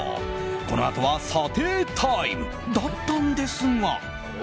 このあとは査定タイム！だったんですが。